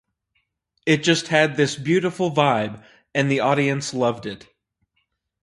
It just had this beautiful vibe and the audience loved it.